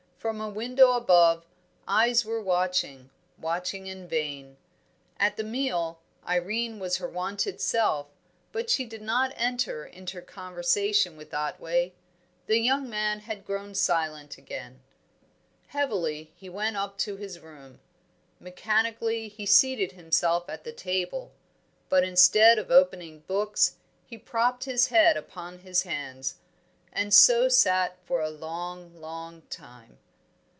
From a window above, eyes were watching, watching in vain. At the meal Irene was her wonted self, but she did not enter into conversation with Otway. The young man had grown silent again. Heavily he went up to his room. Mechanically he seated himself at the table. But, instead of opening books, he propped his head upon his hands, and so sat for a long, long time.